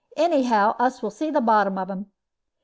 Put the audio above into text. Anyhow, us will see the bottom of un."